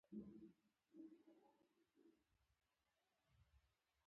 نوې خولۍ سر ته ښکلا ورکوي